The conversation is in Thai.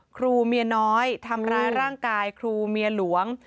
ครูเมียน้อยทำร้ายร่างกายครูเมียหลวง